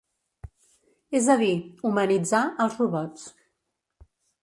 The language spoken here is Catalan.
És a dir, 'humanitzar' als robots.